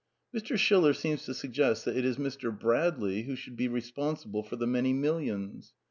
Mr. Schiller seems to suggest that it is Mr. Bradley who should be responsible for the many millions.